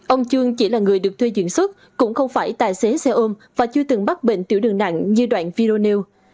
ông chương chỉ là người được thuê diễn xuất cũng không phải tài xế xe ôm và chưa từng bắt bệnh tiểu đường nặng như đoạn video nêu